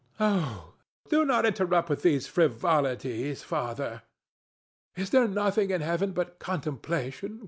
Oh, do not interrupt with these frivolities, father. Is there nothing in Heaven but contemplation, Juan?